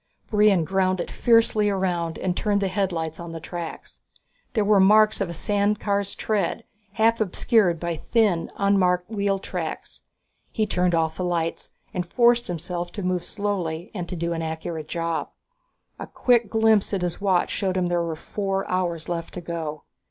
Brion ground it fiercely around and turned the headlights on the tracks. There were the marks of a sand car's treads, half obscured by thin, unmarked wheel tracks. He turned off the lights and forced himself to move slowly and to do an accurate job. A quick glimpse at his watch showed him there were four hours left to go.